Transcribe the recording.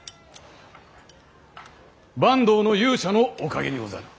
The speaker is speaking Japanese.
坂東の勇者のおかげにござる。